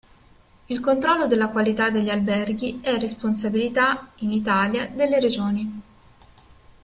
Il controllo della qualità degli alberghi è responsabilità, in Italia, delle Regioni.